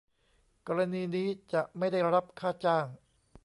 กรณีนี้จะไม่ได้รับค่าจ้าง